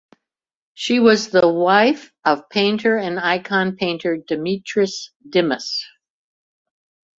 She was the wife of painter and icon painter Dimitris Dimas.